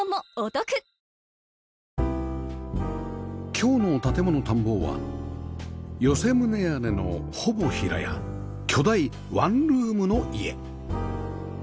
今日の『建もの探訪』は寄棟屋根のほぼ平屋巨大ワンルームの家